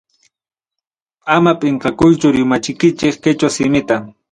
Ama pinqakuychu rimachikichik quechua simita.